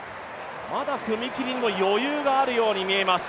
まだ踏み切りも余裕があるように見えます。